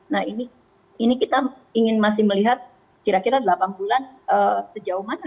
nah ini kita ingin masih melihat kira kira delapan bulan sejauh mana